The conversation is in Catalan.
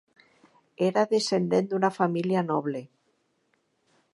Era descendent d'una família noble.